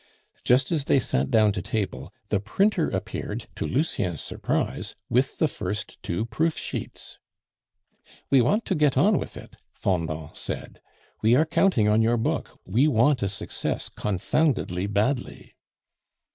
Just as they sat down to table the printer appeared, to Lucien's surprise, with the first two proof sheets. "We want to get on with it," Fendant said; "we are counting on your book; we want a success confoundedly badly."